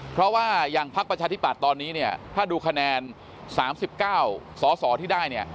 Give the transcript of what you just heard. เพราะว่าอย่างพักประชาธิปัตย์ตอนนี้เนี่ยถ้าดูคะแนน๓๙สสที่ได้เนี่ย